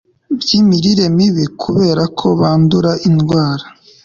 by'imirire mibi kubera ko bandura indwara